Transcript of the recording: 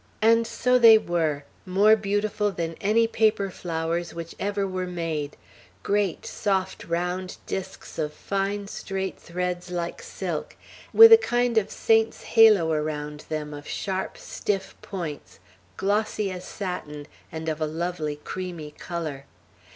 And so they were, more beautiful than any paper flowers which ever were made, great soft round disks of fine straight threads like silk, with a kind of saint's halo around them of sharp, stiff points, glossy as satin, and of a lovely creamy color.